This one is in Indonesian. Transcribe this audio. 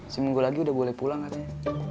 seminggu lagi udah boleh pulang katanya